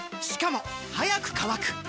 しかも速く乾く！